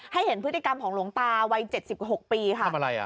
ให้เห็นพฤติกรรมของหลวงตาวัย๗๖ปีค่ะ